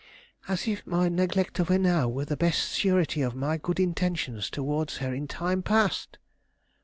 "As if my neglect of her now were the best surety of my good intentions towards her in time past!"